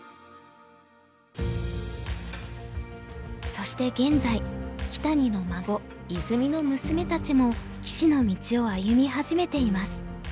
そして現在木谷の孫泉美の娘たちも棋士の道を歩み始めています。